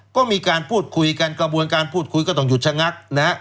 ก็มีการพูดคุยกันกระบวนการพูดคุยก็ต้องหยุดชะงัดนะฮะ